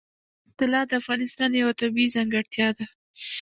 طلا د افغانستان یوه طبیعي ځانګړتیا ده.